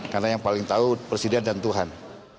karena yang paling tahu presiden dan tuhan